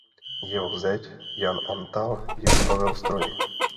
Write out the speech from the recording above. Jeho zeť Jan Antal ji vybavil stroji.